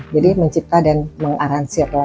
jadi mencipta dan mengaransir lagu lagu baru